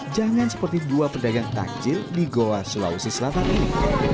jangan seperti dua pedagang takjil di goa sulawesi selatan ini